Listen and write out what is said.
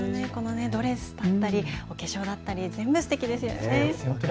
ドレスだったり、お化粧だったり、全部すてきですよね。